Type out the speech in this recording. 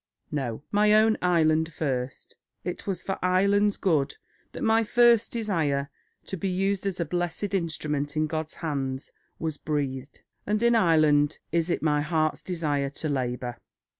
No, my own Ireland first. It was for Ireland's good that my first desire to be used as a blessed instrument in God's hand was breathed, ... and in Ireland is it my heart's desire to labour...."